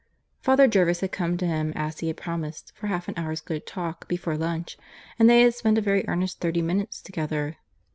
Father Jervis had come to him as he had promised, for half an hour's good talk before lunch; and they had spent a very earnest thirty minutes together.